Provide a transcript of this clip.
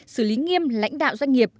xử lý nghiêm lãnh đạo doanh nghiệp